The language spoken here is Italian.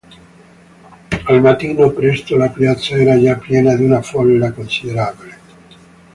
Al mattino presto la piazza era già piena di una folla considerevole.